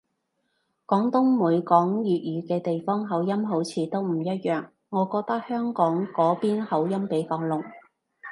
廣東每講粵語嘅地方口音好似都唔一樣，我覺得香港嗰邊口音比較濃